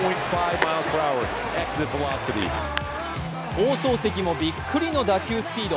放送席もびっくりの打球スピード。